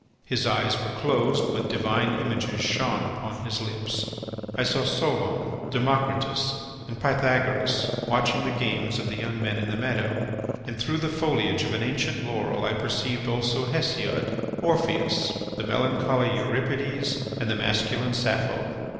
His eyes were closed, but divine images shone upon his lips. I saw Solon, Democritus, and Pythagoras watching the games of the young men in the meadow, and, through the foliage of an ancient laurel, I perceived also Hesiod, Orpheus, the melancholy Euripides, and the masculine Sappho.